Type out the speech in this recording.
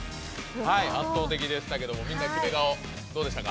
圧倒的でしたけどもみんな決め顔どうでしたか？